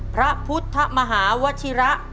พระพุทธมหาวชิระ